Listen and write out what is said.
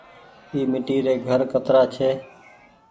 اي ميٽي ري گهر ڪترآ ڇي۔